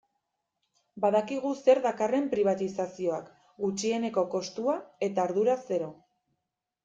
Badakigu zer dakarren pribatizazioak, gutxieneko kostua eta ardura zero.